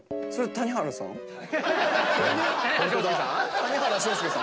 谷原章介さん。